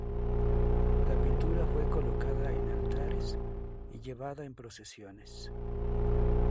La pintura fue colocada en altares y llevada en procesiones.